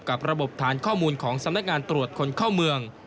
ระบบฐานข้อมูลของสำนักงานตรวจคนเข้าเมือง